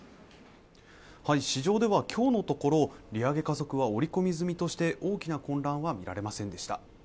市場ではきょうのところ利上げ加速は織り込み済みとして大きな混乱は見られませんでした